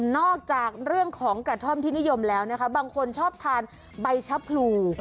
นอกจากเรื่องของกระท่อมที่นิยมแล้วนะคะบางคนชอบทานใบชะพลู